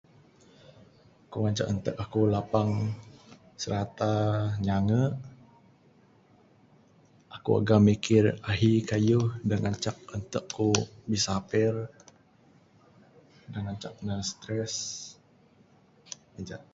Ku ngancak entek aku lapang srata nyange aku agak mikir ahi kayuh da ngancak entek ku bisaper mina ngancak ne stress en ja.